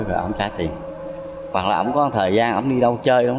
hoặc là ổng có một thời gian ổng đi đâu chơi